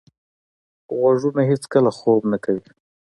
غوږونه هیڅکله خوب نه کوي.